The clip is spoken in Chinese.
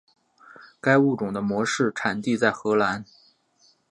该物种的模式产地在荷兰。